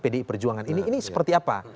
pdi perjuangan ini seperti apa